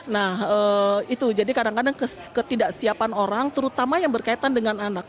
nah itu jadi kadang kadang ketidaksiapan orang terutama yang berkaitan dengan anak